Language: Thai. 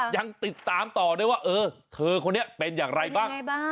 ยังติดตามต่อได้ว่าเออเธอคนนี้เป็นอย่างไรบ้าง